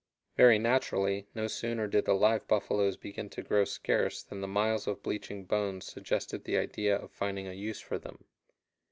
Very naturally, no sooner did the live buffaloes begin to grow scarce than the miles of bleaching' bones suggested the idea of finding a use for them.